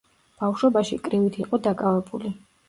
ბავშვობაში კრივით იყო დაკავებული.